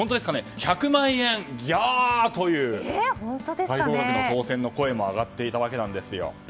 １００万円ぎゃあーという最高額の当せんの声も上がっていたわけなんです。